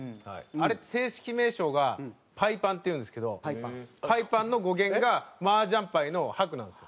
あれ正式名称が白板っていうんですけどパイパンの語源が麻雀牌の白なんですよ。